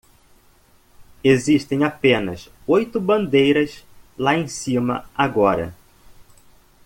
Existem apenas oito bandeiras lá em cima agora.